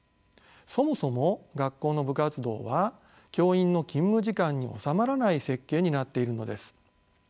そもそも学校の部活動は教員の勤務時間に収まらない設計になっているのです。